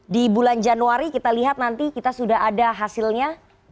di bulan januari kita lihat nanti kita sudah ada hasilnya